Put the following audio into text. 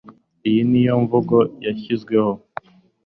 Iyi ni imvugo yashizweho